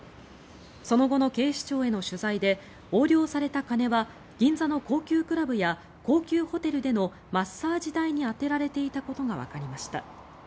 その後の警視庁への取材で横領された金は銀座の高級クラブや高級ホテルでのマッサージ代に充てられていたことがわかりました。